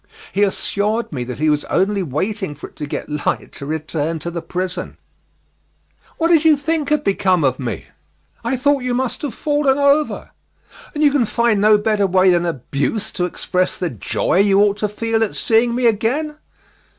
He assured me that he was only waiting for it to get light to return to the prison. "What did you think had become of me?" "I thought you must have fallen over." "And you can find no better way than abuse to express the joy you ought to feel at seeing me again?"